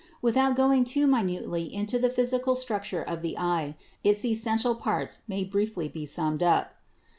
Without going too minutely into the physical structure of the eye, its essential parts may briefly be summed up.